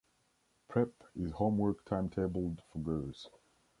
Prep is homework timetabled for girls.